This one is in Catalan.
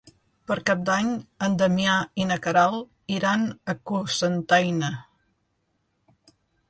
Per Cap d'Any en Damià i na Queralt iran a Cocentaina.